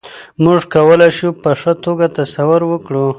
موږ کولای شو په ښه توګه تصور وکړو.